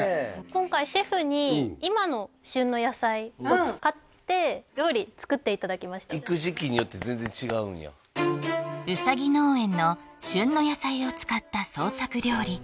今回シェフに今の旬の野菜を使って料理作っていただきました行く時期によって全然違うんやうさぎ農園の旬の野菜を使った創作料理